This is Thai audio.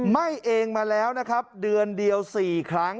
ไหม้เองมาแล้วนะครับเดือนเดียว๔ครั้ง